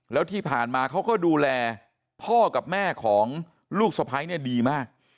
แล้วที่ผ่านมาเขาก็ดูแลพ่อกับแม่ของลูกสะพ้ายเนี่ยดีมาก